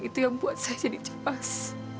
itu yang buat saya jadi cemas